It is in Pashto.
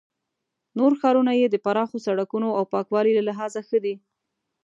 نور ښارونه یې د پراخو سړکونو او پاکوالي له لحاظه ښه دي.